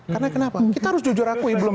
karena kenapa kita harus jujur akui belum